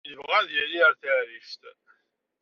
Yebɣa ad yali ar taɛrict.